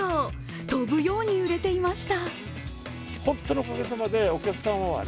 飛ぶように売れていました。